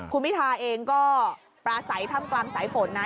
คุณพิทาเองก็ปราศัยถ้ำกลางสายฝนนะ